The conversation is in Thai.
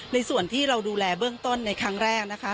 ส่วนที่เราดูแลเบื้องต้นในครั้งแรกนะคะ